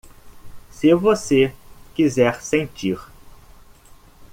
Se você quiser sentir